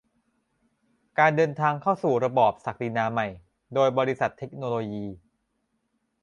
การเดินทางเข้าสู่ระบอบศักดินาใหม่ โดยบริษัทเทคโนโลยี